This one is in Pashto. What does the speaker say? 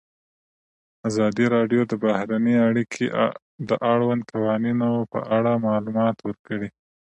ازادي راډیو د بهرنۍ اړیکې د اړونده قوانینو په اړه معلومات ورکړي.